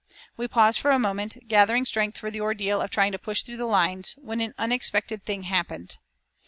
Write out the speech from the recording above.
We paused for a moment, gathering strength for the ordeal of trying to push through the lines, when an unexpected thing happened.